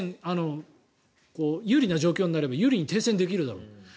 有利な状況になれば有利に停戦できるだろうと。